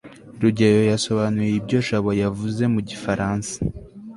rugeyo yasobanuye ibyo jabo yavuze mu gifaransa